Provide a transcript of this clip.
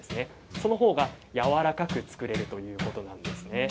そのほうが、やわらかく作れるということです。